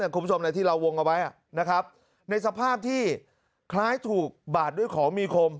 คุณผู้ชมที่เราวงเอาไว้นะครับในสภาพที่คล้ายถูกบาดด้วยของมีคม